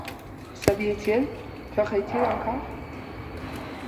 S’habillait-il ? pleurait-il encore ?